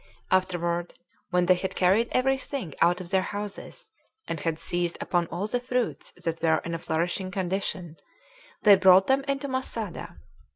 Afterward, when they had carried every thing out of their houses, and had seized upon all the fruits that were in a flourishing condition, they brought them into Masada.